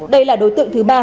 đây là đối tượng thứ ba